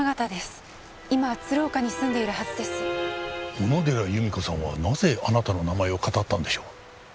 小野寺由美子さんはなぜあなたの名前をかたったんでしょう？